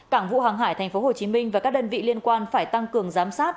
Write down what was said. cảng vụ hàng hải tp hcm và các đơn vị liên quan phải tăng cường giám sát